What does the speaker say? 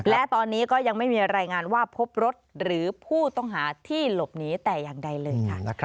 และตอนนี้ก็ยังไม่มีรายงานว่าพบรถหรือผู้ต้องหาที่หลบหนีแต่อย่างใดเลยค่ะ